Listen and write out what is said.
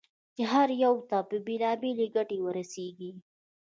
چې هر یوه ته بېلابېلې ګټې ورسېږي.